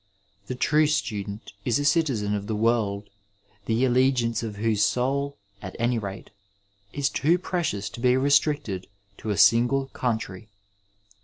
The true student is a citizen of the world, the allegiance of whose soul, at any rate, is too precious to be reslxicted to a single coimtry.